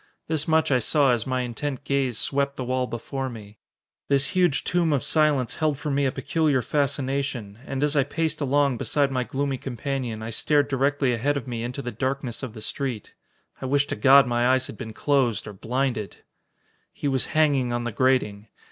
This much I saw as my intent gaze swept the wall before me. This huge tomb of silence held for me a peculiar fascination, and as I paced along beside my gloomy companion, I stared directly ahead of me into the darkness of the street. I wish to God my eyes had been closed or blinded! He was hanging on the grating.